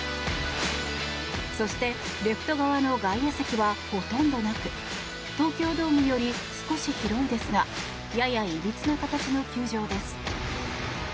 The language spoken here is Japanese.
そしてレフト側の外野席はほとんどなく東京ドームより少し広いですがややいびつな形の球場です。